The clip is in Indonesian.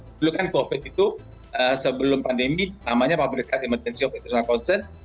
sebelumnya covid itu sebelum pandemi namanya pabrikat emergency of international concern